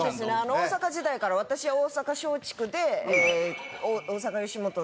大阪時代から私は大阪松竹で大阪吉本で。